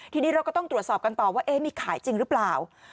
ทีนี้เราก็ต้องตรวจสอบกันต่อว่ามีขายจริงหรือเปล่า